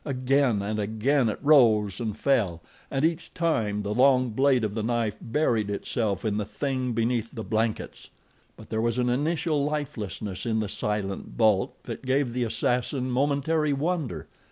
Again and again it rose and fell, and each time the long blade of the knife buried itself in the thing beneath the blankets. But there was an initial lifelessness in the silent bulk that gave the assassin momentary wonder.